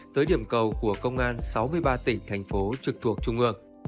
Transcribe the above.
tới điểm cầu của công an sáu mươi ba tỉnh thành phố trực thuộc trung ương